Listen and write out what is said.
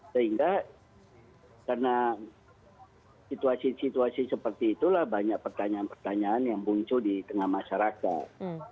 sehingga karena situasi situasi seperti itulah banyak pertanyaan pertanyaan yang muncul di tengah masyarakat